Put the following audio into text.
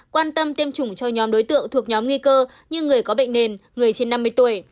quan tâm tiêm chủng cho nhóm đối tượng thuộc nhóm nguy cơ như người có bệnh nền người trên năm mươi tuổi